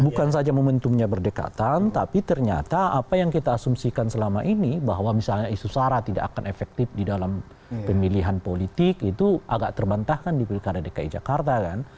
bukan saja momentumnya berdekatan tapi ternyata apa yang kita asumsikan selama ini bahwa misalnya isu sara tidak akan efektif di dalam pemilihan politik itu agak terbantahkan di pilkada dki jakarta kan